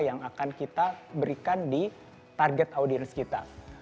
yang akan kita berikan di target audiens kita